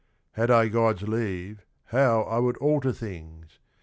"Had I God's leave, how I would alter things